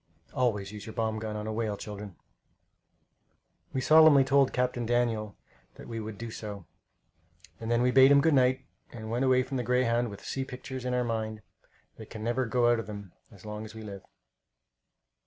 Always use your bomb gun on a whale, children. We solemnly told Captain Daniel that we would do so, and then we bade him good night and went away from the Greyhound with sea pictures in our minds that can never go out of them as long as we live.